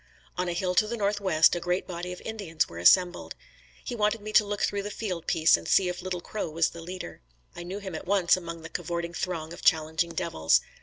On a hill to the northwest, a great body of Indians were assembled. He wanted me to look through the field piece and see if Little Crow was the leader. I knew him at once among the cavorting throng of challenging devils.